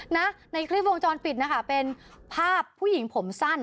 ในคลิปวงจรปิดนะคะเป็นภาพผู้หญิงผมสั้น